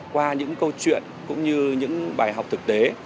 qua những câu chuyện cũng như những bài học thực tế